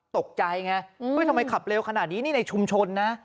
ตกใจไงทำไมขับเร็วขนาดนี้นี่ในชุมชนนะ